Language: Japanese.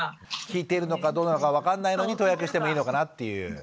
効いているのかどうなのか分かんないのに投薬してもいいのかなっていう。